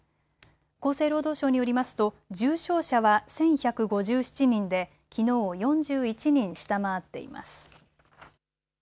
厚生労働省によりますと重症者は１１５７人できのうを４１人下回っています。